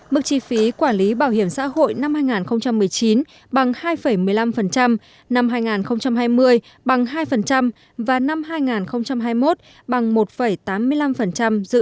mức chi phí quản lý bảo hiểm xã hội năm hai nghìn một mươi chín bằng hai một mươi năm năm hai nghìn hai mươi bằng hai và năm hai nghìn hai mươi một bằng một tám mươi năm